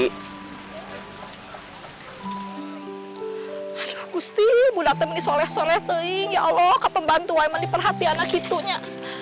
agusti budak temen soleh soleh teing ya allah kepembantu emang diperhatian akitunya